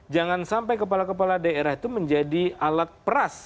jangan sampai kepala kepala daerah itu menjadi alat peras